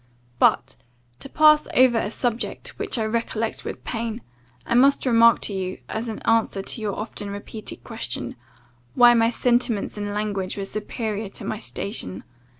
"But, to pass over a subject which I recollect with pain, I must remark to you, as an answer to your often repeated question, 'Why my sentiments and language were superior to my station?